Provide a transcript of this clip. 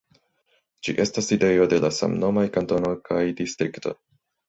Ĝi estas sidejo de la samnomaj kantono kaj distrikto.